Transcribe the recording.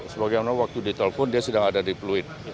sebagaimana waktu ditelepon dia sedang ada di pluit